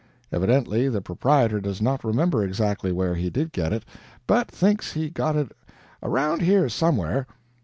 Evidently the proprietor does not remember exactly where he did get it, but thinks he got it "around here somewhere."